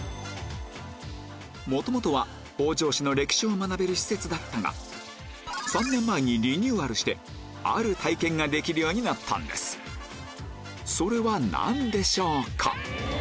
元々は北条の歴史を学べる施設だったが３年前にリニューアルしてある体験ができるようになったんですそれは何でしょうか？